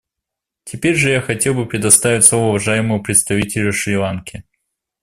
Теперь же я хотел бы предоставить слово уважаемому представителю Шри-Ланки.